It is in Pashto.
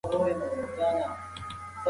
لار د باران له امله بنده شوه.